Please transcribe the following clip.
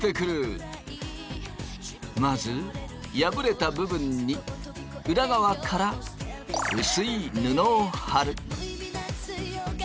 まず破れた部分に裏側から薄い布を貼る。